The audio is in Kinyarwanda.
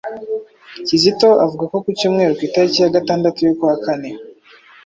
Kizito avuga ko ku cyumweru ku itariki ya gatandatu y'ukwa kane